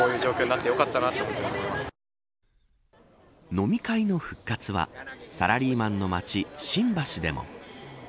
飲み会の復活はサラリーマンの街、新橋でも。